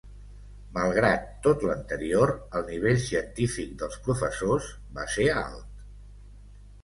Malgrat tot l'anterior, el nivell científic dels professors va ser alt.